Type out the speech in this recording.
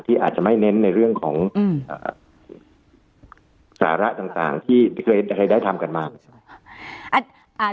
อาจจะไม่เน้นในเรื่องของสาระต่างที่เคยได้ทำกันมาใช่ไหม